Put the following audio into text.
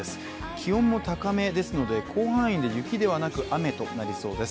気温も高めですので、広範囲で雪ではなく雨となりそうです。